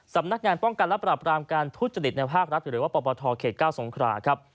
สำนักงานป้องกันและปรับรามการทุจริตในภาครัฐหรือว่าปปทเขต๙สงคราครับ